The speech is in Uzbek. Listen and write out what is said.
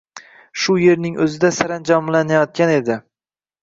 Shu yerning o’zida saranjomlanayotgan edi.